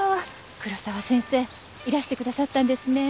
黒沢先生いらしてくださったんですね。